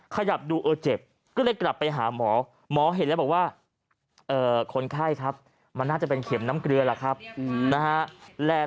ขยับดูเออเจ็บก็เลยกลับไปหาหมอหมอเห็นแล้วบอกว่าคนไข้ครับมันน่าจะเป็นเข็มน้ำเกลือล่ะครับนะฮะ